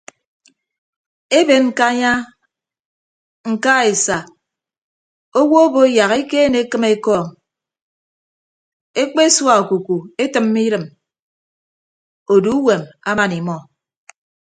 Eben ñkanya ñka esa owo obo yak ekeene ekịm ekọọñ ekpesua okuku etịmme idịm odu uwom aman imọ.